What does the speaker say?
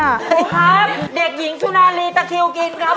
โอ้ครับเด็กหญิงชุนาลีตะเคียวกินครับ